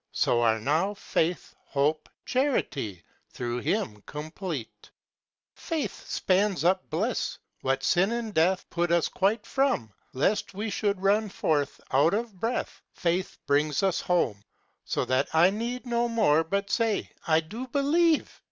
So are now Faith, Hope, Charity Through Him complete ; Faith spans up bliss ; what Sin and Death Put us quite from. Lest we should run for't out of breath, Faith brings us home; So that I need no more but say " I do believe".